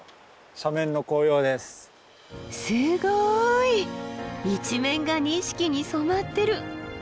一面が錦に染まってる。